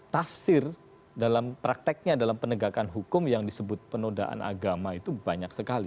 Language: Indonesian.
tafsir dalam prakteknya dalam penegakan hukum yang disebut penodaan agama itu banyak sekali